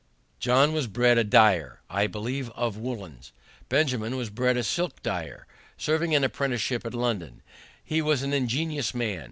John was bred a dyer, I believe of woollens, Benjamin was bred a silk dyer, serving an apprenticeship at London. He was an ingenious man.